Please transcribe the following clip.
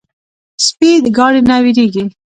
سپي د ګاډي نه وېرېږي.